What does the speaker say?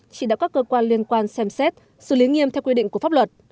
chỉ đạo các cơ quan liên quan xem xét xử lý nghiêm theo quy định của pháp luật